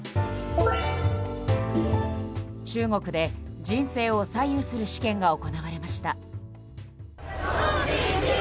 中国で人生を左右する試験が行われました。